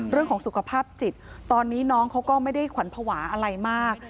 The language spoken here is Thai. เรื่องของสุขภาพจิตตอนนี้น้องเขาก็ไม่ได้ขวัญภาวะอะไรมาก